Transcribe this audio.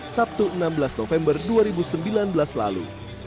sabtu enam belas november dua ribu sembilan belas lalu